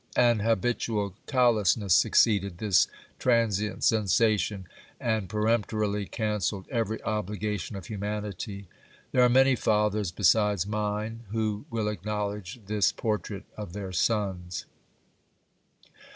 An habitual callousness succeed ed this transient sensation, and peremptorily cancelled every obligation of hu manity. There are many fathers besides mine, who will acknowledge this por trait of their sons.